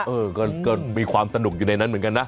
เออก็มีความสนุกอยู่ในนั้นเหมือนกันนะ